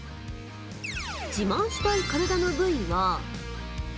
自慢したい体の部位は。